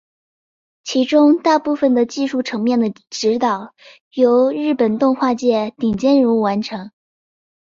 其中大部分的技术层面的指导由日本动画界顶尖人物完成。